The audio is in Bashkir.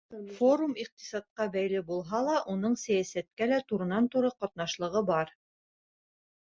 Форум иҡтисадҡа бәйле булһа ла, уның сәйәсәткә лә туранан-тура ҡатнашлығы бар.